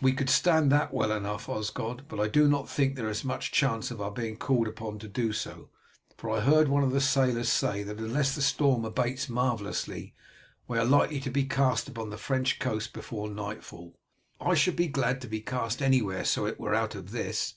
"We could stand that well enough, Osgod; but I do not think there is much chance of our being called upon to do so, for I heard one of the sailors say that unless the storm abates marvellously we are likely to be cast upon the French coast before nightfall." "I should be glad to be cast anywhere so it were out of this.